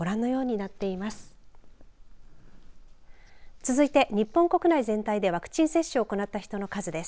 続いて日本国内全体でワクチン接種を行った人の数です。